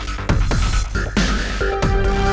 saya sudah berusaha